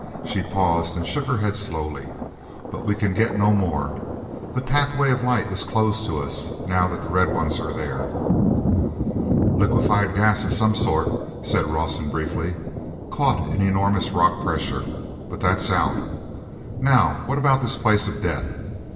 "—she paused and shook her head slowly—"but we can get no more. The Pathway of Light is closed to us, now that the Red Ones are there." "Liquefied gas of some sort," said Rawson briefly, "caught in enormous rock pressure. But that's out! Now what about this Place of Death?